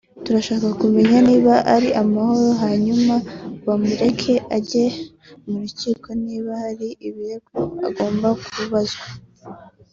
turashaka kumenya niba ari amahoro hanyuma bamureke ajye mu rukiko niba hari ibirego agomba kubazwaho